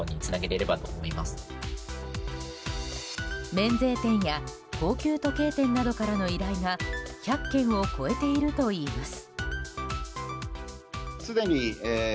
免税店や高級時計店などからの依頼が１００件を超えているといいます。